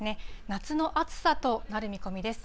夏の暑さとなる見込みです。